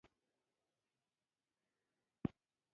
فعلي ترکیب ساده او مرکب ډولونه لري.